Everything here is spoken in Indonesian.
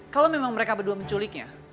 kalau memang mereka berdua menculiknya